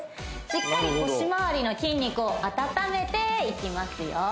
しっかり腰まわりの筋肉を温めていきますよ